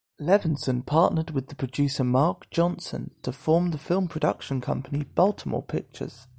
Levinson partnered with producer Mark Johnson to form the film production company Baltimore Pictures.